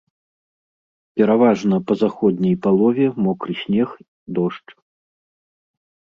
Пераважна па заходняй палове мокры снег, дождж.